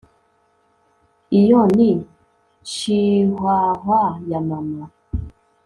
iyo ni chihuahua ya mama